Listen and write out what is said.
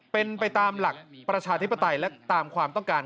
เป็นไปตามหลักประชาธิปไตยและตามความต้องการ